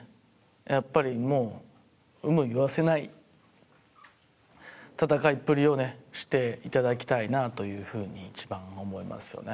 やっぱりもう有無言わせない戦いっぷりをねしていただきたいなというふうに一番思いますよね